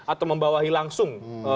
atau membawahi langsung